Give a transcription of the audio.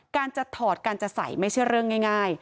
การจะถอดการจะใส่ไม่ใช่เรื่องง่าย